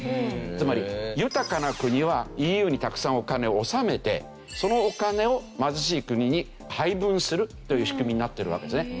つまり豊かな国はＥＵにたくさんお金を納めてそのお金を貧しい国に配分するという仕組みになってるわけですね。